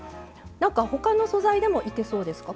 ほかの素材でもいけそうですか？